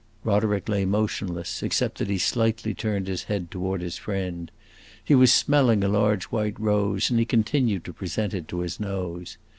Roderick lay motionless, except that he slightly turned his head toward his friend. He was smelling a large white rose, and he continued to present it to his nose.